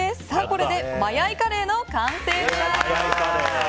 これでマヤイカレーの完成です。